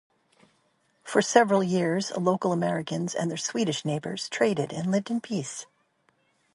For several years, local Americans and their Swedish neighbors traded and lived in peace.